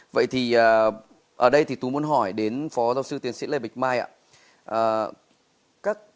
vậy thì ở đây thì tú muốn hỏi đến phó giáo sư tiến sĩ lê bịch mai ạ